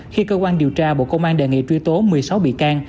khi cơ quan điều tra bộ công an đề nghị truy tố một mươi sáu bị can